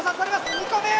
２個目！